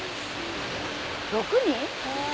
６人？